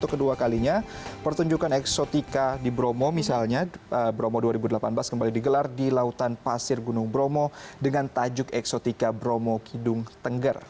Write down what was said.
untuk kedua kalinya pertunjukan eksotika di bromo misalnya bromo dua ribu delapan belas kembali digelar di lautan pasir gunung bromo dengan tajuk eksotika bromo kidung tengger